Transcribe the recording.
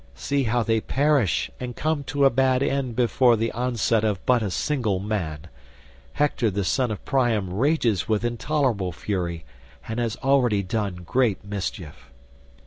See how they perish and come to a bad end before the onset of but a single man. Hector the son of Priam rages with intolerable fury, and has already done great mischief."